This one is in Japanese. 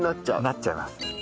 なっちゃいます。